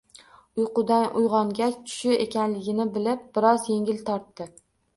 Uyqudan uyg`ongach, tushi ekanligini bilib, biroz engil tortdi